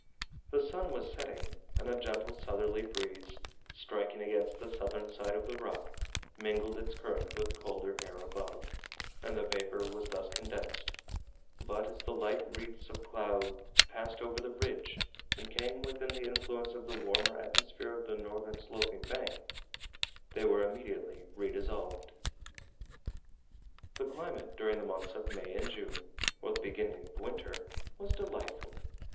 The sun was setting, and a gentle southerly breeze, striking against the southern side of the rock, mingled its current with the colder air above; and the vapour was thus condensed; but as the light wreaths of cloud passed over the ridge, and came within the influence of the warmer atmosphere of the northern sloping bank, they were immediately re dissolved. The climate, during the months of May and June, or the beginning of winter, was delightful.